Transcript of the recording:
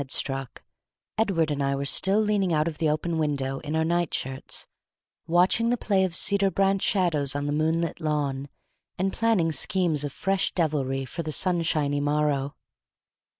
had struck, Edward and I were still leaning out of the open window in our nightshirts, watching the play of the cedar branch shadows on the moonlit lawn, and planning schemes of fresh devilry for the sunshiny morrow.